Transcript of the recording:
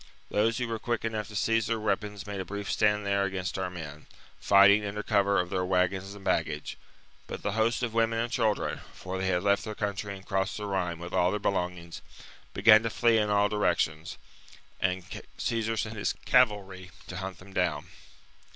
Those who were quick enough to seize their w^eapons made a brief stand there against our men, fighting under cover of their wagons and baggage : but the host of women and children (for they had left their country and crossed the Rhine with all their belongings) began to flee in all directions ; and Caesar sent his cavalry to hunt them down.